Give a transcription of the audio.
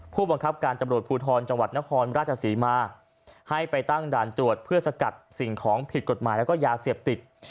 ผู้บังคับการตำรวจภูทรจังหวัดนครราชศรีมาให้ไปตั้งด่านตรวจเพื่อสกัดสิ่งของผิดกฎหมายแล้วก็ยาเสพติด